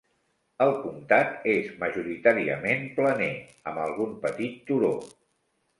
El comtat és majoritàriament planer, amb algun petit turó.